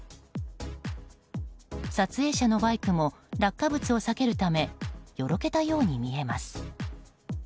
撮影者のバイクも落下物を避けるためよろけたように見えます。